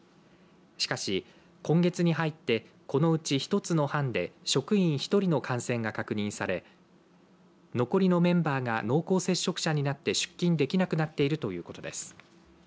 しかし、今月に入ってこのうち１つの班で職員１人の感染が確認され残りのメンバーが濃厚接触者になって出勤できなくなっているということです。